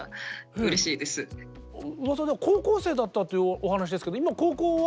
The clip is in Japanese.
うわさでは高校生だったというお話ですけど今高校は？